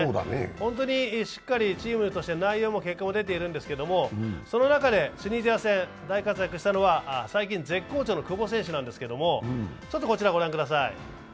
本当にしっかりチームとして内容も結果も出ているんですけれどもその中でチュニジア戦、大活躍したのは最近絶好調の久保選手なんですけれどもちょっとこちらご覧ください。